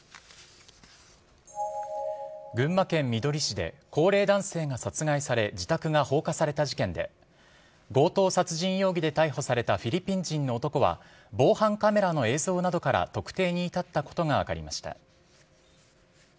群馬県みどり市で高齢男性が殺害され、自宅が放火された事件で、強盗殺人容疑で逮捕されたフィリピン人の男は、防犯カメラの映像などから特定に至ったことが分かりました。